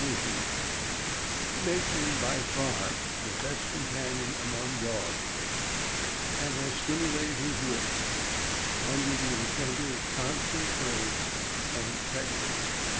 519 sition that makes him by far the best companion among dogs, and has stimulated his wits under the incentive of constant praise and affection.